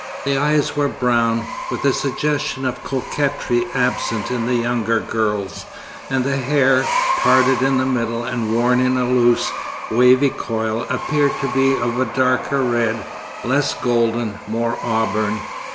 The eyes were brown, with a suggestion of coquetry absent in the younger girl's, and the hair, parted in the middle and worn in a loose, wavy coil, appeared to be of a darker red, less golden, more auburn.